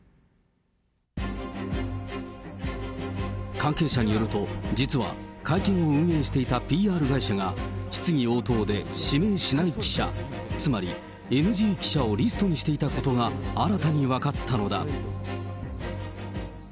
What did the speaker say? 関係者によると、実は会見を運営していたＰＲ会社が、質疑応答で指名しない記者、つまりＮＧ記者をリストにしていたことが、新たに分かったのだ。